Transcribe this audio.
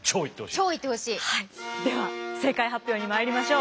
では正解発表に参りましょう。